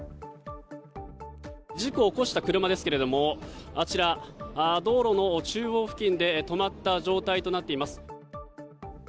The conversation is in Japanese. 事故を起こした車ですけれどもあちら、道路の中央付近で止まった状態となっています。